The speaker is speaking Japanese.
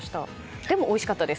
でも、おいしかったです。